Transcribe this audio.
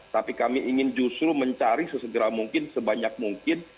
tapi kami ingin justru mencari sesegera mungkin sebanyak mungkin